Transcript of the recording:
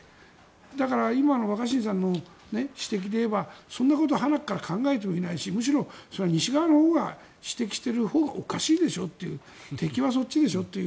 だから今の若新さんの指摘でいえば、そんなこと端から考えてもいないし西側が指摘しているほうがおかしいでしょ敵はそっちでしょという。